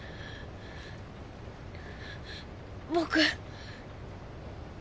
僕。